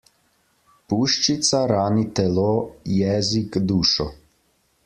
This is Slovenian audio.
Puščica rani telo, jezik dušo.